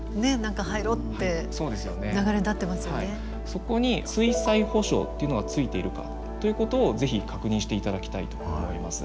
そこに水災補償っていうのがついているかということを是非確認していただきたいと思います。